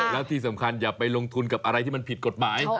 แล้วที่สำคัญอย่าไปลงทุนกับอะไรที่มันผิดกฎหมาย